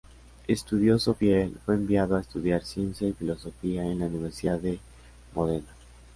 Estudioso fiel, fue enviado a estudiar ciencia y filosofía en la Universidad de Módena.